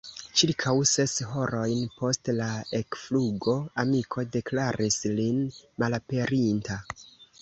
Ĉirkaŭ ses horojn post la ekflugo amiko deklaris lin malaperinta.